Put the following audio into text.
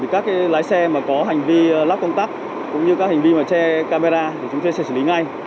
thì các lái xe có hành vi lắp công tắc cũng như các hành vi che camera thì chúng ta sẽ xử lý ngay